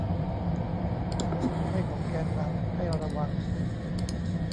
อันนี้ไม่ใช่ของแกนนำ ให้ระวัง